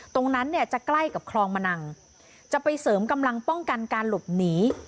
ตรงนั้นเนี่ยจะใกล้กับคลองมะนังจะไปเสริมกำลังป้องกันการหลบหนี